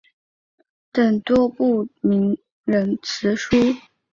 等多部名人辞书。